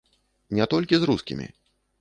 Не толькі з рускімі.